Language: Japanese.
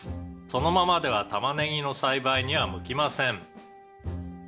「そのままではたまねぎの栽培には向きません」